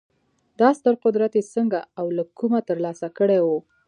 دا ستر قدرت یې څنګه او له کومه ترلاسه کړی و